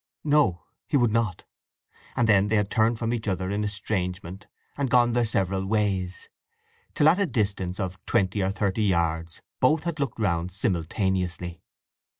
No: he would not. And then they had turned from each other in estrangement, and gone their several ways, till at a distance of twenty or thirty yards both had looked round simultaneously.